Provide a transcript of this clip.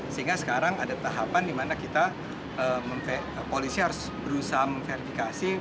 sehingga sekarang ada tahapan di mana kita polisi harus berusaha memverifikasi